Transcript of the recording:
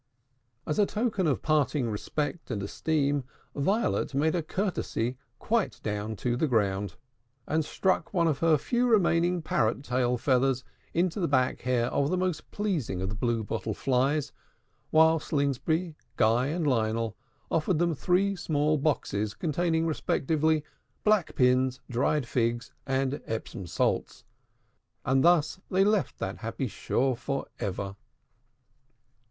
As a token of parting respect and esteem, Violet made a courtesy quite down to the ground, and stuck one of her few remaining parrot tail feathers into the back hair of the most pleasing of the Blue Bottle Flies; while Slingsby, Guy, and Lionel offered them three small boxes, containing, respectively, black pins, dried figs, and Epsom salts; and thus they left that happy shore forever.